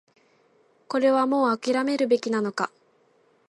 これはもう諦めるべきなのか